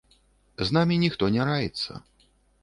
З намі ніхто не раіцца.